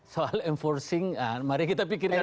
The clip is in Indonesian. soal enforcing mari kita pikirkan